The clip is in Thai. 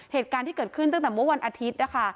เหตุการณ์ที่เกิดขึ้นตั้งแต่เมื่อวันอาทิตย์นะคะ